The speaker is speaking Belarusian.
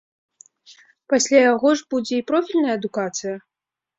Пасля яго ж будзе і профільная адукацыя.